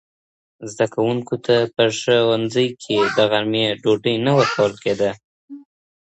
زده کوونکو ته په ښوونځي کي د غرمې ډوډۍ نه ورکول کيده.